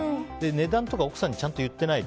値段とか奥さんにちゃんと言ってない。